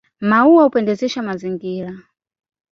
Maua hupendezesha mazingira